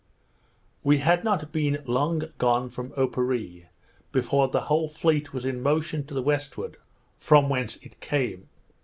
We had not been long gone from Oparree, before the whole fleet was in motion to the westward, from whence it came.